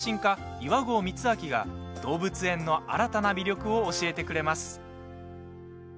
動物写真家、岩合光昭が動物園の新たな魅力を教えてくれます。